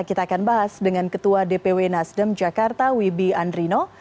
kita akan bahas dengan ketua dpw nasdem jakarta wibi andrino